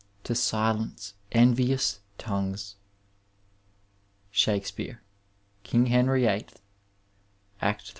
To silence envious tongues. Shakbsfbabb, King Henry VIII, Act m.